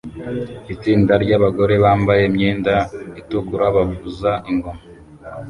Itsinda ryabagore bambaye imyenda itukura bavuza ingoma